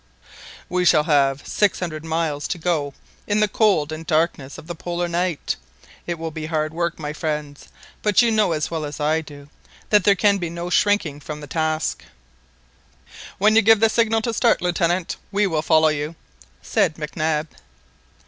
"We shall have six hundred miles to go in the cold and darkness of the Polar night. It will be hard work, my friends but you know as well as I do that there can be no shirking from the task" "When you give the signal to start, Lieutenant, we will follow you," said Mac Nab.